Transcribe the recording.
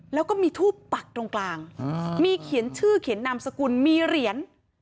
แล้วก็มีทูปปักตรงกลางมีเขียนชื่อเขียนนามสกุลมีเหรียญ